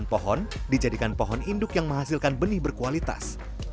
empat puluh delapan pohon dijadikan pohon induk yang menghasilkan benih berkualitas